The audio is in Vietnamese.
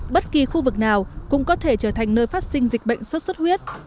bất kỳ khu vực nào cũng có thể trở thành nơi phát sinh dịch bệnh sốt xuất huyết